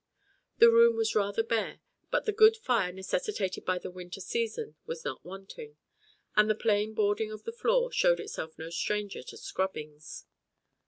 The room was rather bare, but the good fire necessitated by the winter season was not wanting, and the plain boarding of the floor showed itself no stranger to scrubbings.